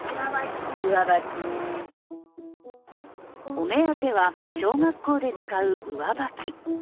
お目当ては、小学校で使う上履き。